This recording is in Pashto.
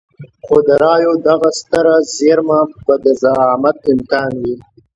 خو د رايو دغه ستره زېرمه به د زعامت امکان.